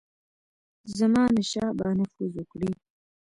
زمانشاه به نفوذ وکړي.